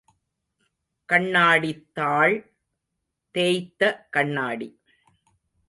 கண்ணாடித்தாள், தேய்த்த கண்ணாடி.